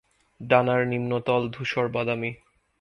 ডানার নিম্নতল ধূসর বাদামি।